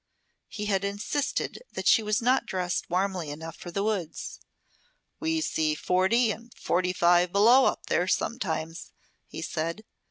He had insisted that she was not dressed warmly enough for the woods. "We see forty and forty five below up there, sometimes," he said.